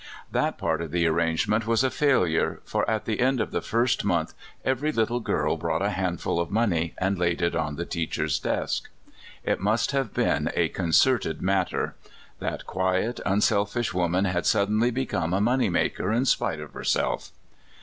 That part of the ar rangement was a failure, for at the end of the first month ever}^ little girl brought a handful of money, and laid it on the teacher's desk. It must have been a concerted matter. That quiet, unself ish woman had suddenly become a money maker in spite of herself.